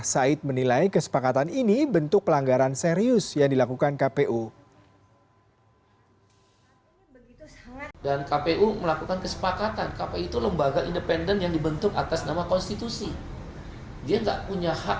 said menilai kesepakatan ini bentuk pelanggaran serius yang dilakukan kpu